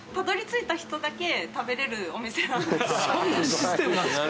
そんなシステムなんですか。